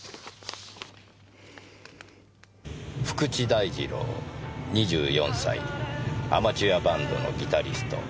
「福地大二郎２４歳アマチュアバンドのギタリスト」